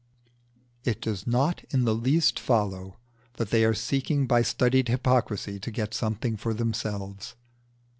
It does not in the least follow that they are seeking by studied hypocrisy to get something for themselves.